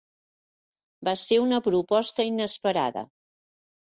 Va ser una proposta inesperada.